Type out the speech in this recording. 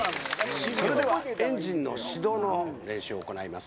それではエンジンの始動の練習を行います。